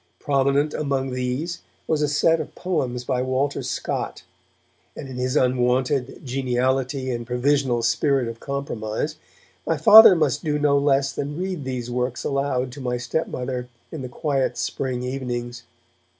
Prominent among these was a set of the poems of Walter Scott, and in his unwonted geniality and provisional spirit of compromise, my Father must do no less than read these works aloud to my stepmother in the quiet spring evenings.